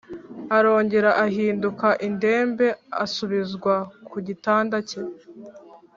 arongera ahinduka indembe asubizwa kugitanda cye,